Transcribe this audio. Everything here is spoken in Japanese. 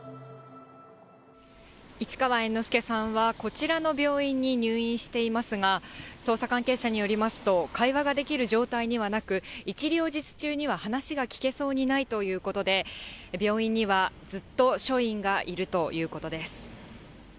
市川猿之助さんはこちらの病院に入院していますが、捜査関係者によりますと、会話ができる状態にはなく、一両日中には話が聞けそうにないということで、病院にはずっと署員がいるということです。